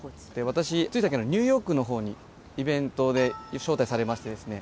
私つい最近ニューヨークのほうにイベントで招待されましてですね